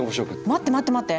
待って待って待って。